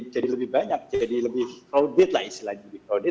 jadi lebih crowded lah